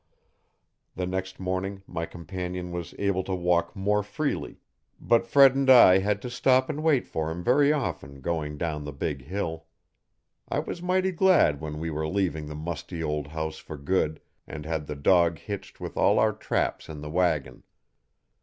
The next morning my companion was able to walk more freely, but Fred and I had to stop and wait for him very often going down the big hill. I was mighty glad when we were leaving the musty old house for good and had the dog hitched with all our traps in the wagon.